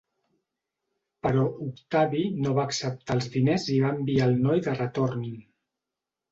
Però Octavi no va acceptar els diners i va enviar el noi de retorn.